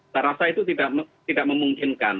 saya rasa itu tidak memungkinkan